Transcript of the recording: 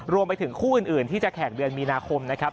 รวมไปถึงคู่อื่นที่จะแข่งเดือนมีนาคมนะครับ